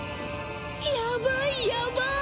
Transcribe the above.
やばいやばーい！